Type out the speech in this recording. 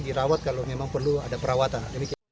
dirawat kalau memang perlu ada perawatan